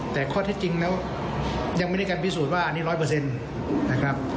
แต่ข้อเท็จจริงแล้วยังไม่ได้การพิสูจน์ว่าอันนี้๑๐๐นะครับ